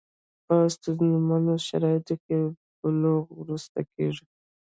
په ستونزمنو شرایطو کې بلوغ وروسته کېږي.